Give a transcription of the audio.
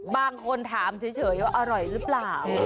บางคนถามเฉยว่าอร่อยหรือเปล่า